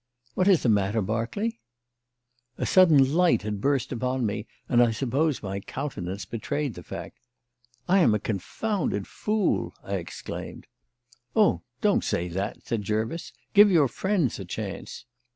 What is the matter, Berkeley?" A sudden light had burst upon me, and I suppose my countenance betrayed the fact. "I am a confounded fool!" I exclaimed. "Oh, don't say that," said Jervis. "Give your friends a chance."